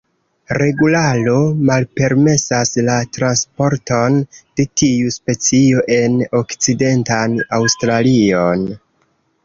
Regularo malpermesas la transporton de tiu specio en Okcidentan Aŭstralion.